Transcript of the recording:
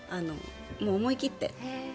思い切って。